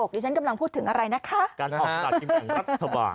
อยู่ฉันกำลังพูดถึงอะไรนะคะการออกต่อจิมแห่งรัฐธรรม